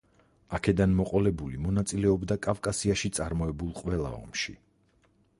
აქედან მოყოლებული მონაწილეობდა კავკასიაში წარმოებულ ყველა ომში.